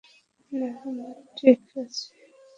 না, আমরা ঠিক আছি।